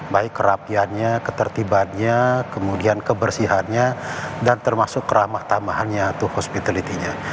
baik kerapiannya ketertibannya kemudian kebersihannya dan termasuk keramah tambahannya itu hospitality nya